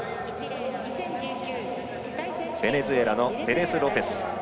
ベネズエラのペレスロペス。